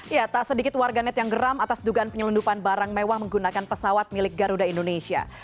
ya tak sedikit warganet yang geram atas dugaan penyelundupan barang mewah menggunakan pesawat milik garuda indonesia